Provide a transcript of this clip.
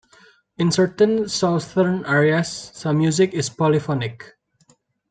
In certain southern areas, some music is polyphonic.